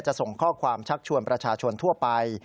ส่งข้อความชักชวนประชาชนทั่วไป